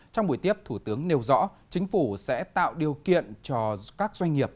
trong buổi tiếp thủ tướng nêu rõ chính phủ sẽ tạo điều kiện cho các doanh nghiệp